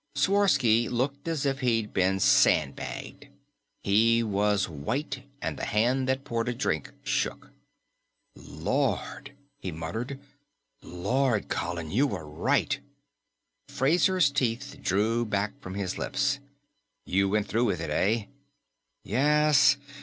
Sworsky looked as if he'd been sandbagged. He was white, and the hand that poured a drink shook. "Lord," he muttered. "Lord, Colin, you were right." Fraser's teeth drew back from his lips. "You went through with it, eh?" "Yes.